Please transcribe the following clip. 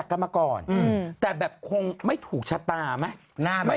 เพราะมันก็วัยรุ่นวัยรุ่นอ่ะเนอะไม่พอใจกันก็ตีกันอะไรกันแบบนี้อ่ะ